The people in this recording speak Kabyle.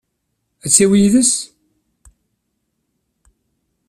Ad t-yawi yid-s?